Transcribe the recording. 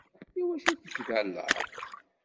Iwacu tettgallaḍ?